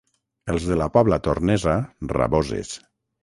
Els de la Pobla Tornesa, raboses.